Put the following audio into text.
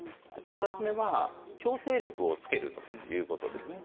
２つ目は強制力をつけるということですね。